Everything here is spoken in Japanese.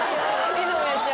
いつもやっちゃう。